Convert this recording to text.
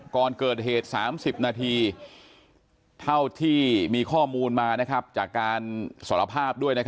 ก่อนเกิดเหตุ๓๐นาทีเท่าที่มีข้อมูลมาจากการสารภาพด้วย